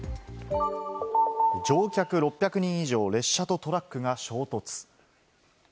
乗客６００人以上、列車とトラックが衝突。